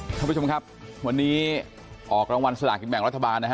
ท่านผู้ชมครับวันนี้ออกรางวัลสลากินแบ่งรัฐบาลนะฮะ